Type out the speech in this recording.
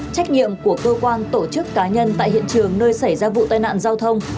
trách nhiệm của cơ quan tổ chức cá nhân tại hiện trường nơi xảy ra vụ tai nạn giao thông